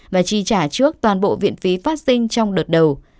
và chi trả trước toàn bộ viện phí phát sinh trong đợt đầu